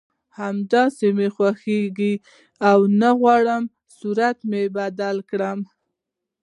همداسې مې خوښېږي او نه غواړم صورت مې بدل کړم